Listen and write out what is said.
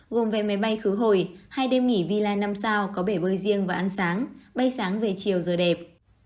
gồm vé máy bay khứ hồi hai đêm nghỉ villa năm sao có bể bơi riêng và ăn sáng bay sáng về chiều giờ đẹp